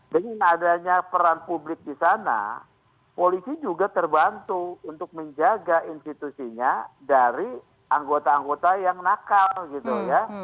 dengan adanya peran publik di sana polisi juga terbantu untuk menjaga institusinya dari anggota anggota yang nakal gitu ya